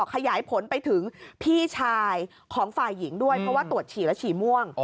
ขยายผลไปถึงพี่ชายของฝ่ายหญิงด้วยเพราะว่าตรวจฉี่แล้วฉี่ม่วง